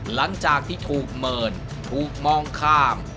หลังจากที่ถูกเมินถูกมองข้าม